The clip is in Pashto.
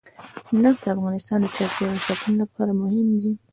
نفت د افغانستان د چاپیریال ساتنې لپاره مهم دي.